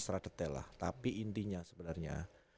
secara detail lah tapi intinya sebenarnya